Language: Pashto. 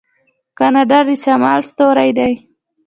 کاناډا د شمال ستوری دی.